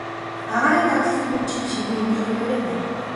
Агаарын даралт түрүүчийнх шигээ өндөр хэвээрээ байна.